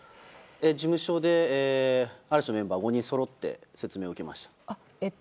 事務所で嵐のメンバー５人そろって説明を受けました。